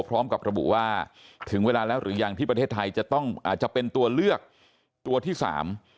พร้อมกับระบุว่าถึงเวลาแล้วหรือยังที่ประเทศไทยจะต้องอาจจะเป็นตัวเลือกตัวที่สาม